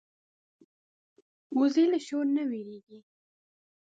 وزې له شور نه وېرېږي